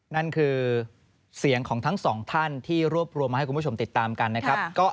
นั่นคือเสียงของทั้งสองท่านที่รวบรวมมาให้คุณผู้ชมติดตามกันนะครับ